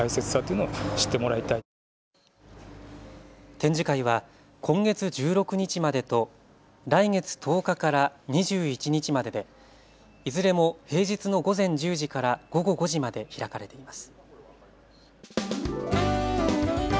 展示会は今月１６日までと、来月１０日から２１日まででいずれも平日の午前１０時から午後５時まで開かれています。